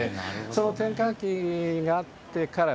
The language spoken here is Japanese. その転換期があってからですね。